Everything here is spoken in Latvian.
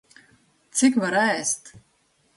Cik var ēst!